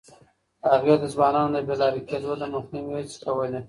هغه د ځوانانو د بې لارې کېدو د مخنيوي هڅې کولې.